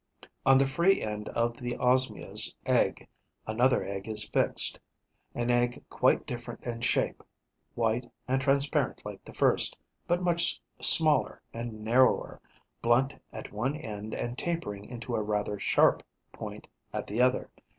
On the free end of the Osmia's egg, another egg is fixed; an egg quite different in shape, white and transparent like the first, but much smaller and narrower, blunt at one end and tapering into a rather sharp point at the other.